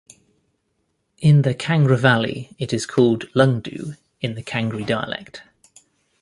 In the Kangra Valley it is called "lungdu" in the Kangri dialect.